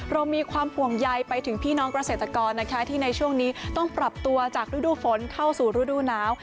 เรามีความห่วงใยไปถึงพี่น้องเกษตรกรนะคะที่ในช่วงนี้ต้องปรับตัวจากฤดูฝนเข้าสู่ฤดูหนาว